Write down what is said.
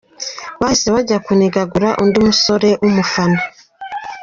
Bahise bajya kunigagura undi musore w’umufana.